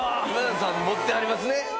今田さん持ってはりますね。